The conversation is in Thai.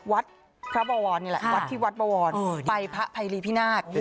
วัดพระบวรนี่แหละวัดที่วัดบวรไปพระภัยรีพินาศ